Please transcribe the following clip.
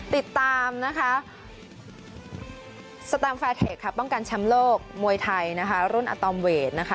ติดตามสตามแฟร์เทคป้องกันแชมป์โลกมวยไทยรุ่นอตอมเวท